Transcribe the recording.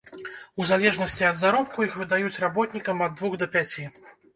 У залежнасці ад заробку іх выдаюць работнікам ад двух да пяці.